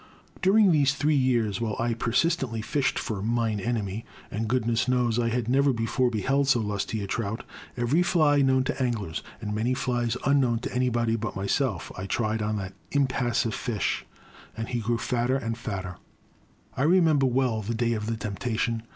During these three years while I persistently 270 The Crime. fished for Mine Enemy (and goodness knows I had never before beheld so lusty a trout !) every fly known to anglers, and many flies unknown to anybody but myself, I tried on that impassive fish. And he grew fatter and fatter. I remember well the day of the temptation.